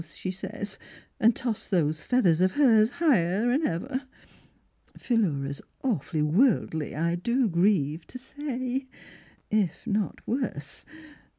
' she says, and tossed those feathers of hers higher'n ever. Philura's awful worldly, I do grieve to say — if not worse.